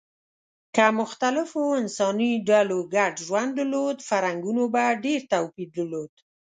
که مختلفو انساني ډلو ګډ ژوند درلود، فرهنګونو به ډېر توپیر درلود.